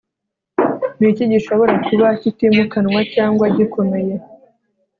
niki gishobora kuba kitimukanwa cyangwa gikomeye